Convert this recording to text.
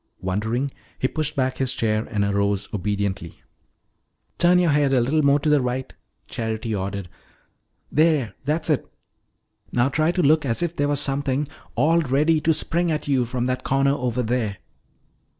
Wondering, he pushed back his chair and arose obediently. "Turn your head a little more to the right," Charity ordered. "There, that's it! Now try to look as if there were something all ready to spring at you from that corner over there."